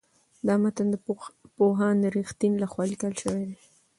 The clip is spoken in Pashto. دا متن د پوهاند رښتین لخوا لیکل شوی دی.